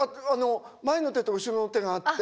前の手と後ろの手があって。